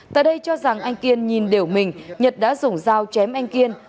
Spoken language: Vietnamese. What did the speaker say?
tại đây cho rằng anh kiên nhìn đều mình nhật đã dùng dao chém anh kiên